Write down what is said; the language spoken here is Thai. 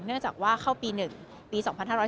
เนื่องจากว่าเข้าปี๑ปี๒๕๕๙